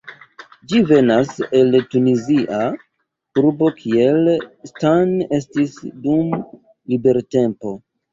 Ĝi venas el Tunizia urbo kie Stan estis dum libertempo.